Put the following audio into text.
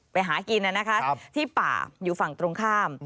ไปหากินที่ป่าอยู่ฝั่งตรงข้าม